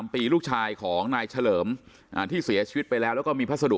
ปีลูกชายของนายเฉลิมที่เสียชีวิตไปแล้วแล้วก็มีพัสดุ